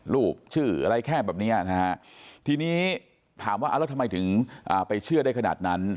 รูปชื่ออะไรแค่แบบเนี้ยนะฮะทีนี้ถามว่าแล้วทำไมถึงไปเชื่อได้ขนาดนั้น